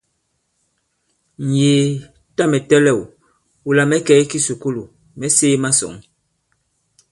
Ǹyēē, tâ mɛ̀ tɛlɛ̂w, wula mɛ̌ kɛ̀ i kisùkulù, mɛ̌ sēē masɔ̌ŋ.